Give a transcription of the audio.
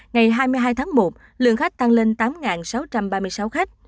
ngày hai mươi hai tháng một lượng khách tăng lên tám sáu trăm ba mươi sáu khách